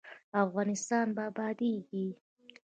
افغانستان به ابادیږي؟